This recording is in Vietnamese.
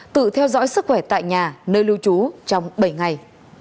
tự theo dõi sức khỏe tại nhà nơi lưu trú trong bảy ngày